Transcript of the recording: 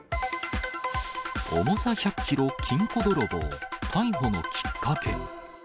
重さ１００キロ金庫泥棒、逮捕のきっかけ。